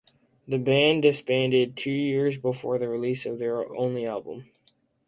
The band disbanded two years before the release of their only album.